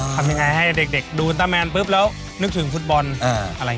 ทำยังไงให้เด็กดูวิทยาลัยม่านแล้วนึกถึงฟุตบอล